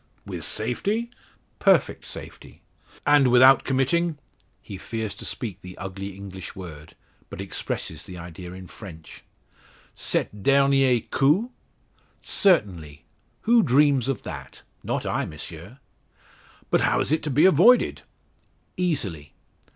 "With safety?" "Perfect safety." "And without committing," he fears to speak the ugly English word, but expresses the idea in French "cette dernier coup?" "Certainly! Who dreams of that? Not I, M'sieu." "But how is it to be avoided?" "Easily."